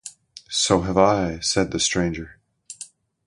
‘So have I,’ said the stranger.